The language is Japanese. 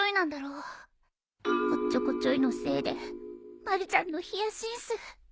おっちょこちょいのせいでまるちゃんのヒヤシンス